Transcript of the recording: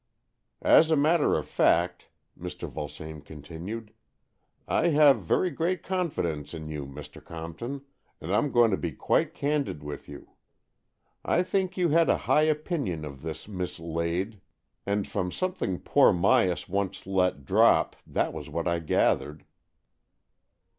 "As a matter of fact," Mr. Vulsame con tinued, " I have very great confidence in you, Mr. Compton, and Pm going to be quite candid with you. I think you had a high opinion of this Miss Lade, and from some 109 110 AN EXCHANGE OF SOULS thing poor Myas once let drop, that was what I gathered."